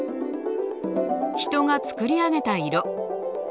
人が作り上げた色。